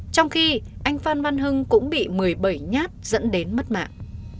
trong khi anh phan văn hưng cũng bị một mươi bảy nhát dẫn đến mất mạng